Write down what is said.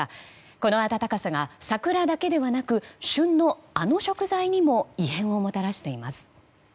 この暖かさが桜だけではなく旬のあの食材にも異変をもたらしています。